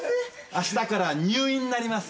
あしたから入院になります。